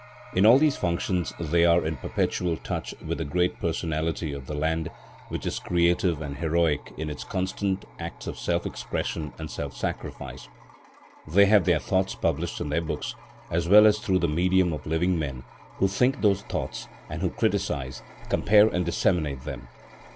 In all these functions they are in perpetual touch with the great personality of the land which is creative and heroic in its constant acts of self expression and self sacrifice. They have their thoughts published in their books as well as through the medium of living men who think those thoughts, and who criticise, compare and disseminate them.